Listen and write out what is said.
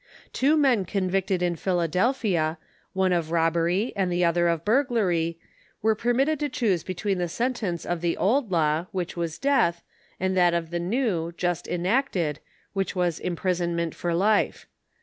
Two men convicted in Pennsylvania, one of rob bery and the other of burglary, were permitted to choose between the sentence of the old law which was death, and that of the new, just enacted, which was imprisonment for life.